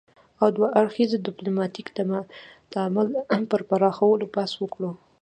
او دوه اړخیز ديپلوماتيک تعامل پر پراخولو بحث وکړ